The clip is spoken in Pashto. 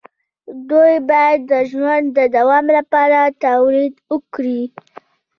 دوی باید د ژوند د دوام لپاره تولید وکړي.